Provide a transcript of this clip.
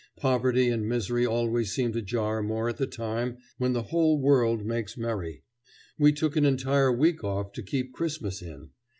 Poverty and misery always seem to jar more at the time when the whole world makes merry. We took an entire week off to keep Christmas in.